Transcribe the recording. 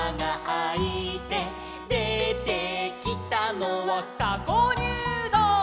「でてきたのは」「たこにゅうどう」